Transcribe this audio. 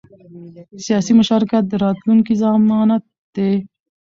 سیاسي مشارکت د راتلونکي ضمانت دی